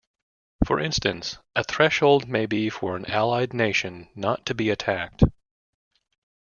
For instance, a threshold may be for an allied nation not to be attacked.